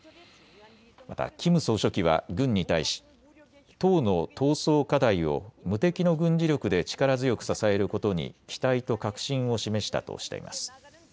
また、キム総書記は軍に対し党の闘争課題を無敵の軍事力で力強く支えることに期待と確信を示したとしています。